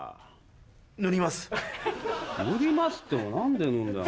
塗りますって何で塗るんだよ。